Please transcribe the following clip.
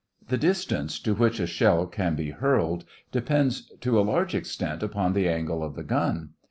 The distance to which a shell can be hurled depends to a large extent upon the angle of the gun.